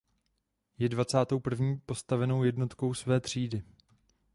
Je dvacátou první postavenou jednotkou své třídy.